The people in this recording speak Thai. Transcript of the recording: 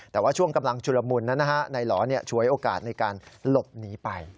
แต่ว่าช่วงกำลังชุลมุนนายหล่อฉวยโอกาสในการหลบหนีไป